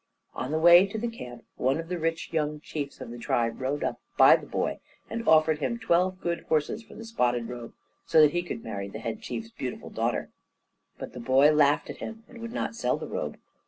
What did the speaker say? On the way to camp, one of the rich young chiefs of the tribe rode up by the boy and offered him twelve good horses for the spotted robe, so that he could marry the Head Chief's beautiful daughter; but the boy laughed at him and would not sell the robe.